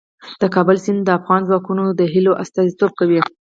د کابل سیند د افغان ځوانانو د هیلو استازیتوب کوي.